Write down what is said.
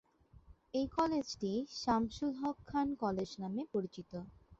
এই কলেজটি "সামসুল হক খান কলেজ" নামে পরিচিত।